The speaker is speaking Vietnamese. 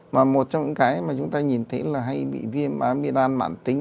mà một trong những cái mà chúng ta nhìn thấy là hay bị viên an mạn tính